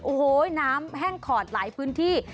โอ้โหน้ำแห้งขอดหลายพื้นที่